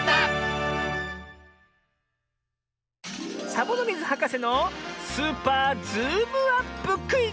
サボノミズはかせの「スーパーズームアップクイズ」！